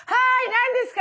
何ですか？」